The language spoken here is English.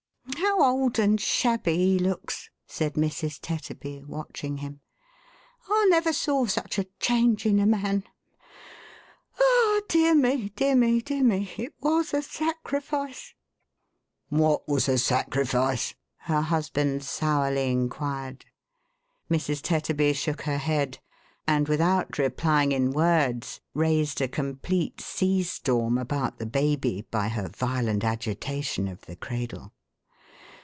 " How old and shabby he looks," said Mrs. Tetterby, watching him. " I never saw such a change in a man. Ah ! dear me, dear me, dear me, it was a sacrifice !"" What was a sacrifice ?" her husband sourly inquired. Mrs. Tetterby shook her head ; and without replying in words, raised a complete sea storm about the baby, by her violent agitation of the cradle.